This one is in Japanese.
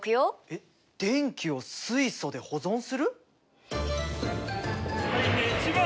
えっ電気を水素で保存する？